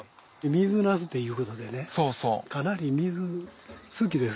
水なすっていうことでねかなり水好きで。